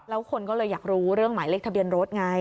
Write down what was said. แล้วคนก็เลยอยากรู้เรื่องหมายเลขทะเบียนรถไง